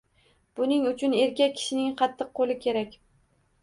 Buning uchun erkak kishining qattiq qoʻli kerak.